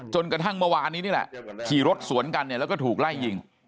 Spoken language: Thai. จนกระทั่งเมื่อวานนี้นี่แหละขี่รถสวนกันเนี่ยแล้วก็ถูกไล่ยิง